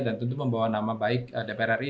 dan tentu membawa nama baik dpr ri